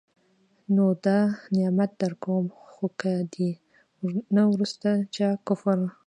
نو دا نعمت درکوم، خو که د دي نه وروسته چا کفر